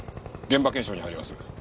現場検証に入ります。